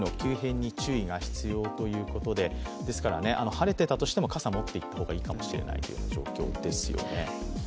晴れていたとしても傘を持っていった方がいいかもしれないという状況ですよね。